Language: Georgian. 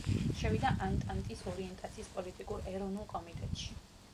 შევიდა ანტანტის ორიენტაციის პოლიტიკურ ეროვნულ კომიტეტში.